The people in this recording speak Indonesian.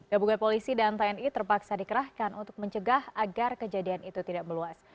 gabungan polisi dan tni terpaksa dikerahkan untuk mencegah agar kejadian itu tidak meluas